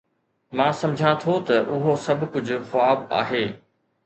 مان سمجهان ٿو ته اهو سڀ ڪجهه خواب آهي